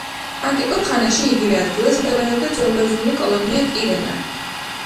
ანტიკურ ხანაში, იგივე ადგილას მდებარეობდა ძველბერძნული კოლონია კირენა.